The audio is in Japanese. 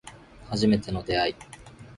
初めての出会い